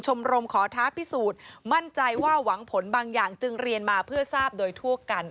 รมขอท้าพิสูจน์มั่นใจว่าหวังผลบางอย่างจึงเรียนมาเพื่อทราบโดยทั่วกัน